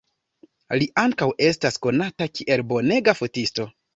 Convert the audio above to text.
Li ankaŭ estas konata kiel bonega fotisto.